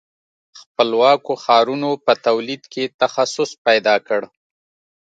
خپلواکو ښارونو په تولید کې تخصص پیدا کړ.